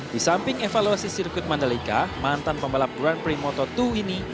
di samping evaluasi sirkuit mandalika mantan pembalap grand prix moto dua ini